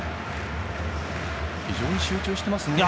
非常に集中してますね。